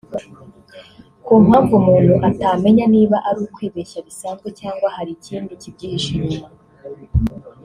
ku mpamvu umuntu atamenya niba ari ukwibeshya bisanzwe cyangwa hari ikindi kibyihishe inyuma